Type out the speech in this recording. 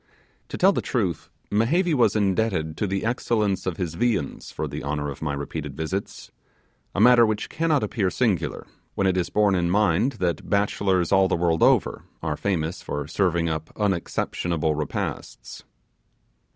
To tell the truth, Mehevi was indebted to the excellence of his viands for the honour of my repeated visits a matter which cannot appear singular, when it is borne in mind that bachelors, all the world over, are famous for serving up unexceptionable repasts.